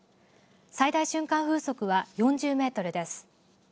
最大瞬間風速は４０メートルです。